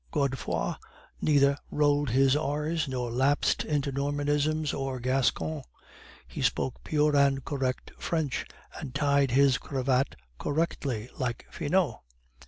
Godefroid neither rolled his r's, nor lapsed into Normanisms nor Gascon; he spoke pure and correct French, and tied his cravat correctly (like Finot).